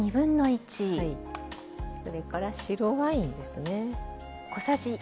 それから白ワインですね。